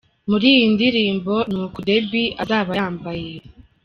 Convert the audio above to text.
Muri iyi ndirimbo ni uku Debby zaba yambaye.